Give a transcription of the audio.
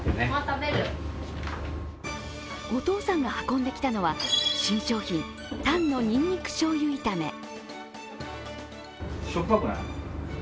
お父さんが運んできたのは新商品、タンのにんにくしょうゆ炒め。